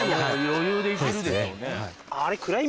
余裕で行けるでしょうね。